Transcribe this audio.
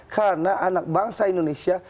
karena anak bangsa indonesia